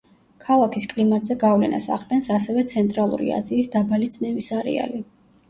ქალაქის კლიმატზე გავლენას ახდენს ასევე ცენტრალური აზიის დაბალი წნევის არეალი.